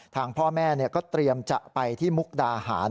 ทางพ่อแม่ก็เตรียมจะไปที่มุกดาหาร